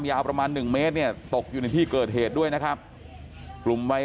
ยาวประมาณหนึ่งเมตรเนี่ยตกอยู่ในที่เกิดเหตุด้วยนะครับกลุ่มวัย